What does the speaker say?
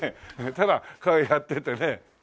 ただこうやっててねえ。